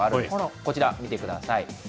こちら、見てください。